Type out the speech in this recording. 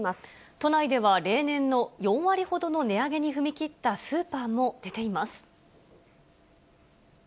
都内では例年の４割ほどの値上げに踏み切ったスーパーも出ています。